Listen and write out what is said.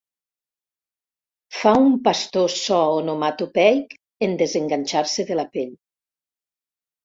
Fa un pastós so onomatopeic en desenganxar-se de la pell.